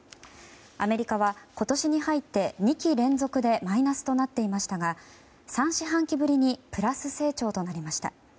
アメリカは今年に入って２期連続でマイナスとなっていましたが３四半期ぶりにプラス成長となりました。